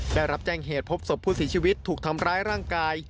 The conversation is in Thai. ได้รับแจ้งเหตุพบศพผู้เสียชีวิตถูกทำร้ายร่างกาย